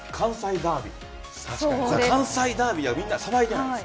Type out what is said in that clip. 関西ダービーはみんな騒いでいないです。